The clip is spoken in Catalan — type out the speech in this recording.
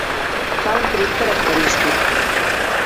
Fa un crit característic.